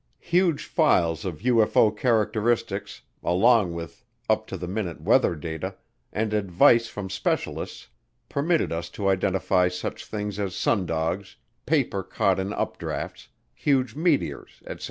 Huge files of UFO characteristics, along with up to the minute weather data, and advice from specialists, permitted us to identify such things as sun dogs, paper caught in updrafts, huge meteors, etc.